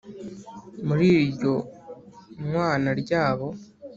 muri iryo nywana ryabo,